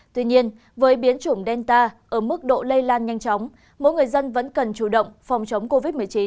tuy nhiên với biến chủng delta ở mức độ lây lan nhanh chóng mỗi người dân vẫn cần chủ động phòng chống covid một mươi chín